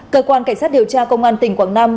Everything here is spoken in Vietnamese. cơ quan cảnh sát điều tra công an tỉnh quảng nam